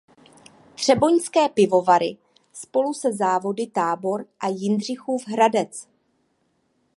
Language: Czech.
Třeboňské pivovary spolu se závody Tábor a Jindřichův Hradec.